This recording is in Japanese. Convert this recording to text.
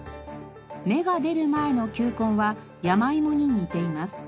芽が出る前の球根はヤマイモに似ています。